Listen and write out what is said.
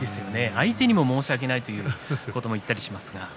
相手にも申し訳ないということも言ったりしますが。